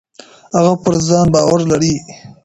هغه پر ځان باور لري.